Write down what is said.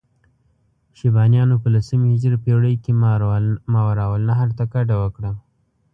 شیبانیانو په لسمې هجري پېړۍ کې ماورالنهر ته کډه وکړه.